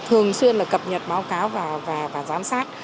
thường xuyên là cập nhật báo cáo và giám sát